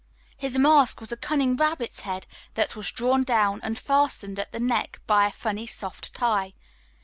His mask was a cunning rabbit's head that was drawn down and fastened at the neck by a funny soft tie.